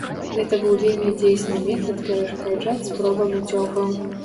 Гэта быў вельмі дзейсны метад перашкаджаць спробам уцёкаў.